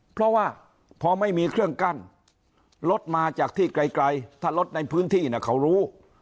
เพราะว่าพอไม่มีเครื่องกั้นรถมาจากที่ไกลถ้ารถในพื้นที่เขารู้